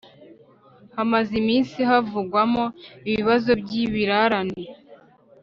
hamaze iminsi havugwamo ibibazo by’ibirarane